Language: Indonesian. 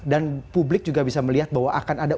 dan publik juga bisa melihat bahwa akan ada